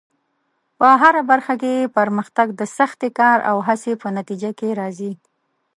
په هره برخه کې پرمختګ د سختې کار او هڅې په نتیجه کې راځي.